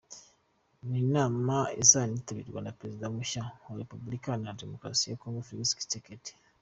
Ni inama izanitabwirwa na Perezida Mushya wa Repubulika Iharanira Demokarasi ya Congo Felix Tshisekedi.